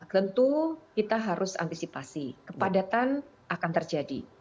tentu kita harus antisipasi kepadatan akan terjadi